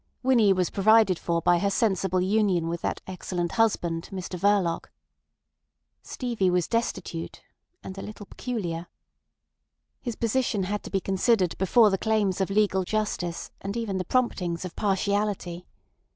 Winnie was provided for by her sensible union with that excellent husband, Mr Verloc. Stevie was destitute—and a little peculiar. His position had to be considered before the claims of legal justice and even the promptings of partiality.